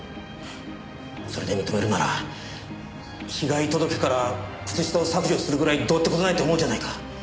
それで認めるなら被害届から靴下を削除するぐらいどうって事ないと思うじゃないか。